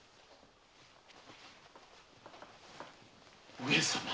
上様。